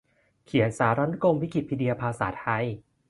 เขียนสารานุกรมวิกิพีเดียภาษาไทย